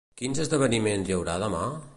Quins esdeveniments hi haurà demà?